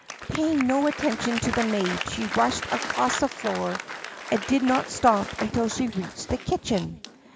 Paying no attention to the maid, she rushed across the floor and did not stop until she reached the kitchen.